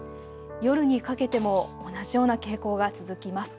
夜にかけても同じような傾向が続きます。